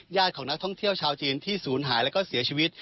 ของนักท่องเที่ยวชาวจีนที่ศูนย์หายแล้วก็เสียชีวิต